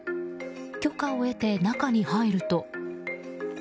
許可を得て、中に入ると。